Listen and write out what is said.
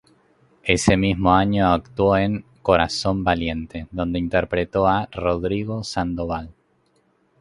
Ese mismo año actuó en "Corazón valiente", donde interpretó a Rodrigo Sandoval.